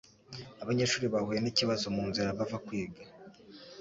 Abanyeshuri bahuye n'ikibazo mu nzira bava kwiga